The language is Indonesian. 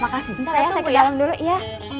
sebentar ya saya ke dalam dulu ya